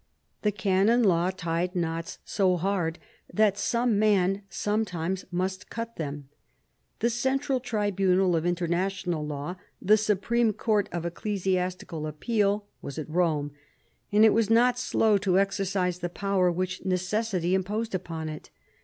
The Canon Law tied knots so hard that some man sometimes must cut them. The central tribunal of inter national law, the supreme court of ecclesiastical appeal, was at Eome, and it was not slow to exercise the power which necessity imposed upon it.